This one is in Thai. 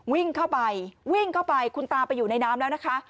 วิ่งเข้าไปคุณตาไปอยู่ในน้ำแล้วนะคะ